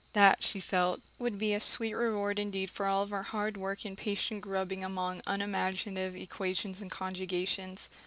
That, she felt, would be a sweet reward indeed for all her hard work and patient grubbing among unimaginative equations and conjugations.